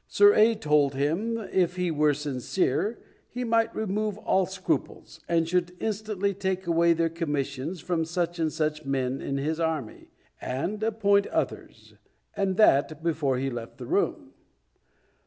Sir A. told him if he were sincere he might remove all scruples, and should instantly take away their commissions from such and such men in his army, and appoint others, and that before he left the room.